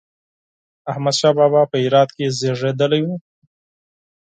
احمد شاه بابا په هرات کې زېږېدلی و